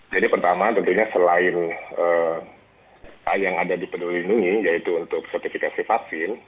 jadi pertama tentunya selain yang ada di peduli lindungi yaitu untuk sertifikasi vaksin